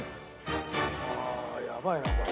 ああやばいなこれ。